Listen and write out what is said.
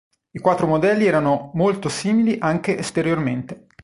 I quattro modelli erano molto simili anche esteriormente.